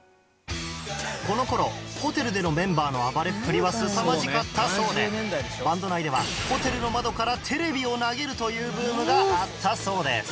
この頃ホテルでのメンバーの暴れっぷりはすさまじかったそうでバンド内ではホテルの窓からテレビを投げるというブームがあったそうです